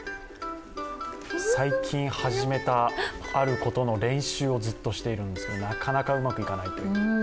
最近、始めたあることの練習をずっとしているんですがなかなかうまくいかないという。